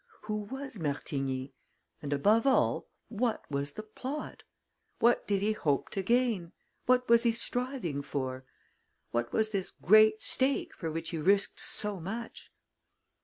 Who was Martigny? And, above all, what was the plot? What did he hope to gain? What was he striving for? What was this great stake, for which he risked so much?